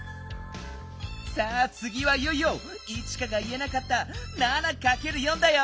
さあつぎはいよいよイチカが言えなかった「７×４」だよ！